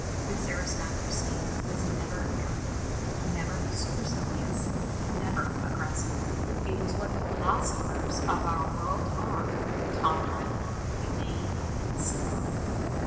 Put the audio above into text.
This aristocracy was never arrogant, never supercilious, never aggressive. It was what the philosophers of our world are: tolerant, humane, sublime.